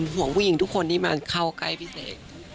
ห่วงผู้หญิงทุกคนที่มาเข้าใกล้พี่เสก